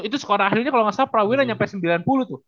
itu skor akhirnya kalo gak salah prawira nyampe sembilan puluh tuh